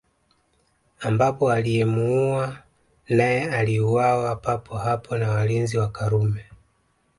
Ambapo aliyemuua naye aliuawa papo hapo na walinzi wa Karume